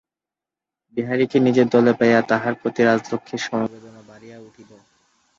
বিহারীকে নিজের দলে পাইয়া তাহার প্রতি রাজলক্ষ্মীর সমবেদনা বাড়িয়া উঠিল।